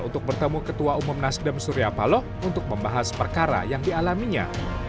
untuk bertemu ketua umum nasdem surya paloh untuk membahas perkara yang dialaminya